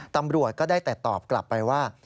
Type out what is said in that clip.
ตำรวจก็ได้แต่ตอบกลับไปว่า